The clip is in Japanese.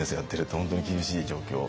本当に厳しい状況